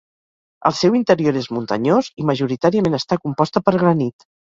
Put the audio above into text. El seu interior és muntanyós i majoritàriament està composta per granit.